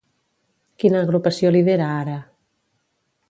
Quina agrupació lidera ara?